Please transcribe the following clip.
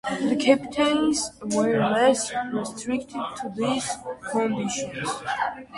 The Captains were less restricted to these conditions.